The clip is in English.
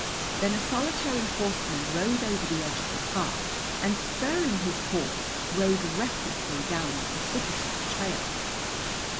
Then a solitary horseman rode over the edge of the pass and, spurring his horse, rode recklessly down the precipitous trail.